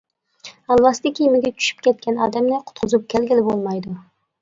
ئالۋاستى كىمىگە چۈشۈپ كەتكەن ئادەمنى قۇتقۇزۇپ كەلگىلى بولمايدۇ.